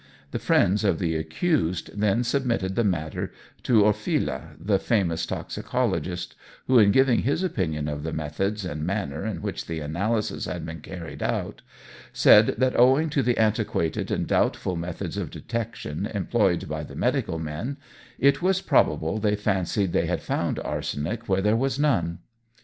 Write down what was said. The friends of the accused then submitted the matter to Orfila, the famous toxicologist, who, on giving his opinion of the methods and manner in which the analysis had been carried out, said that owing to the antiquated and doubtful methods of detection employed by the medical men, it was probable they fancied they had found arsenic where there was none.